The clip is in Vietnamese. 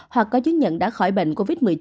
hoặc có chứng nhận đã khỏi bệnh covid một mươi chín